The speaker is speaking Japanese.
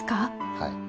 はい。